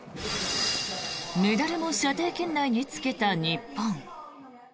メダルも射程圏内につけた日本。